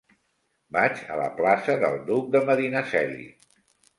Vaig a la plaça del Duc de Medinaceli.